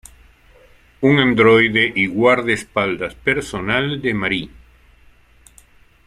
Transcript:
Un androide y guardaespaldas personal de Marie.